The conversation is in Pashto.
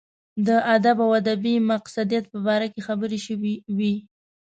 د ادب او ادبي مقصدیت په باره کې خبرې شوې وې.